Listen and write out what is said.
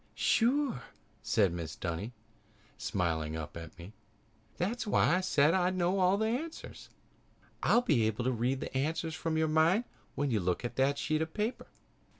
"Sure!" said Mrs. Dunny, smiling up at me. "That's why I said that I'd know the answers. I'll be able to read the answers from your mind when you look at that sheet of paper."